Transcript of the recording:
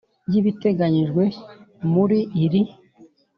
y ibiteganyijwe muri iri